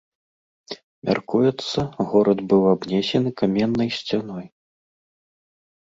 Мяркуецца, горад быў абнесены каменнай сцяной.